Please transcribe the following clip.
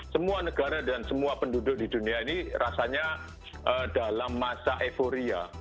semua negara dan semua penduduk di dunia ini rasanya dalam masa euforia